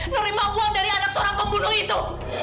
nerima uang dari anak seorang pembunuh itu